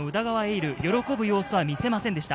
琉、喜ぶ様子は見せませんでした。